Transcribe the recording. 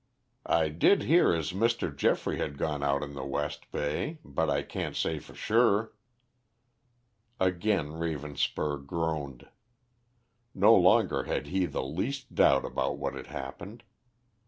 I did hear as Mr. Geoffrey had gone out in the West Bay, but I can't say for sure." Again Ravenspur groaned; no longer had he the least doubt about what had happened.